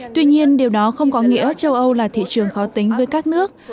tuy nhiên điều đó không có nghĩa châu âu là thị trường khó tính với các nước